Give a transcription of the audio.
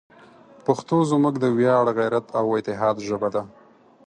پښتو زموږ د ویاړ، غیرت، او اتحاد ژبه ده.